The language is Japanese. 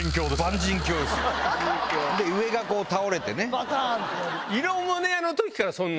で上が倒れてね。